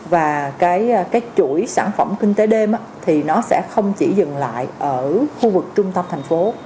và cái chuỗi sản phẩm kinh tế đêm thì nó sẽ không chỉ dừng lại ở khu vực trung tâm thành phố